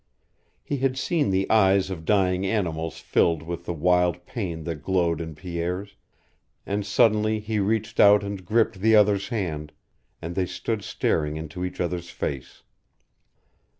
He had seen the eyes of dying animals filled with the wild pain that glowed in Pierre's, and suddenly he reached out and gripped the other's hand, and they stood staring into each other's face.